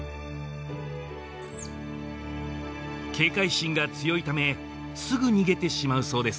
警戒心が強いためすぐ逃げてしまうそうです